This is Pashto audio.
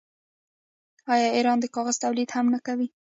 آیا ایران د کاغذ تولید هم نه کوي؟